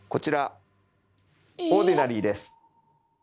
「オーディナリー」です。